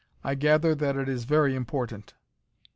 I gather that it is very important."